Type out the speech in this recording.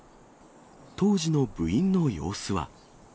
当時の部員の様子は。